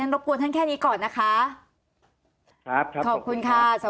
ฉันรบกวนท่านแค่นี้ก่อนนะคะครับครับขอบคุณค่ะสวัสดีค่ะ